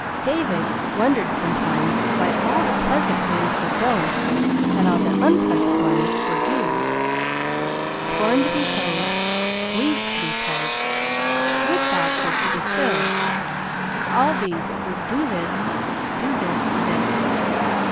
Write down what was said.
David wondered sometimes why all the pleasant things were "don'ts" and all the unpleasant ones "dos." Corn to be hoed, weeds to be pulled, woodboxes to be filled; with all these it was "do this, do this, do this."